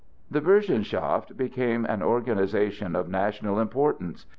The Burschenschaft became an organization of national importance.